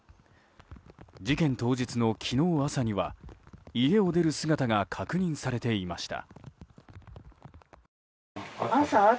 事件当日の昨日朝には家を出る姿が確認されていました。